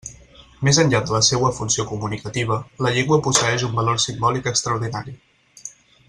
Més enllà de la seua funció comunicativa, la llengua posseeix un valor simbòlic extraordinari.